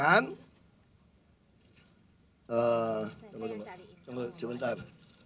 hai teman teman sebentar